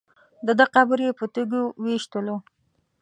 دده قبر یې په تیږو ویشتلو.